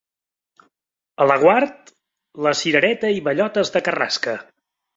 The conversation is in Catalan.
A Laguart, la cirereta i bellotes de carrasca.